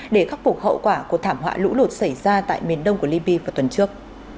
để khắc phục hậu quả của thảm họa lũ lụt xảy ra tại miền đông của libya vào tuần trước